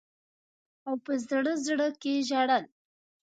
او په زړه زړه کي ژړل.